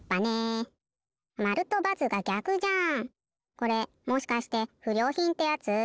これもしかしてふりょうひんってやつ？